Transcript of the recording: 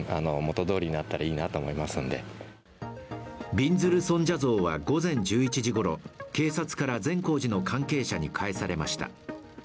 びんずる尊者像は午前１１時ごろ警察から善光寺の関係者に返されました。